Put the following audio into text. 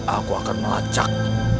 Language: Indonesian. aku akan melacak